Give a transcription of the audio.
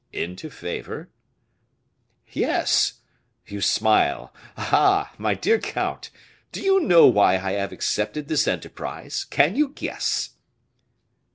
"Into favor?" "Yes. You smile. Ah, my dear count, do you know why I have accepted this enterprise, can you guess?"